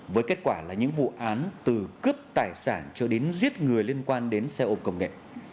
với kết quả là những vụ án từ cướp tài sản cho đến giết người liên quan đến xe ôm công nghệ